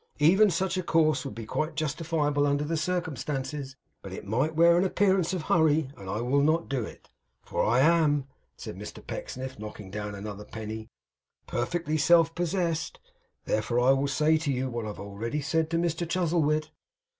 Even such a course would be quite justifiable under the circumstances; but it might wear an appearance of hurry, and I will not do it; for I am,' said Mr Pecksniff, knocking down another penny, 'perfectly self possessed. Therefore I will say to you, what I have already said to Mr Chuzzlewit.